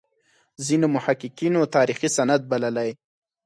ځینو محققینو تاریخي سند بللی.